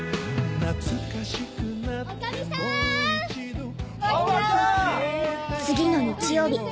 真紀：次の日曜日